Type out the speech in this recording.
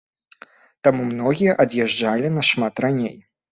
Таму многія ад'язджалі нашмат раней.